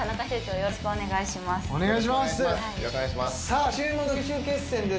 よろしくお願いします。